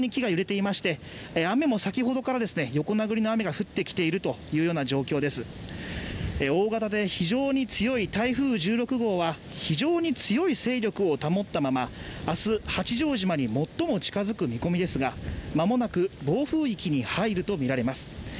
大型で非常に強い台風１６号は、非常に強い勢力を保ったまま、あす八丈島に最も近づく見込みですが、まもなく暴風域に入るとみられます。